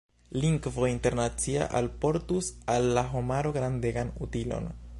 Lingvo internacia alportus al la homaro grandegan utilon.